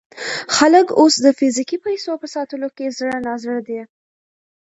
خلک اوس د فزیکي پیسو په ساتلو کې زړه نا زړه دي.